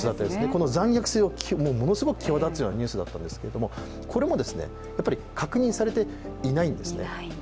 この残虐性がものすごく際立つニュースだったんですがこれも確認されていないんですね。